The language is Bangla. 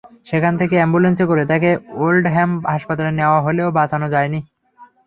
সেখান থেকে অ্যাম্বুলেন্সে করে তাঁকে ওল্ডহ্যাম হাসপাতালে নেওয়া হলেও বাঁচানো যায়নি।